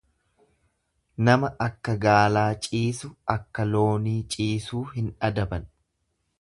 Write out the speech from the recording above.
Nama akka gaalaa ciisu akka loonii ciisuu hin adaban.